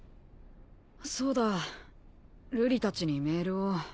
そうだ瑠璃たちにメールを。